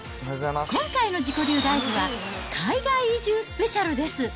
今回の自己流ライフは、海外移住スペシャルです。